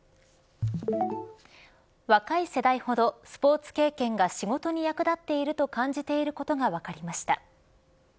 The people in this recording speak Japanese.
若い世代ほど、スポーツ経験が仕事に役立っていると感じていることが分かりました。